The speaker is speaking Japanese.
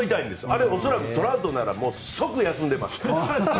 あれトラウトなら即休んでます。